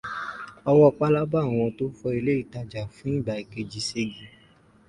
Ọwọ́ pálábá àwọn tó fọ́ ilé-ìtajà fún ìgbà kejì ségi.